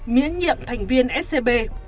miễn nhiệm thành viên scb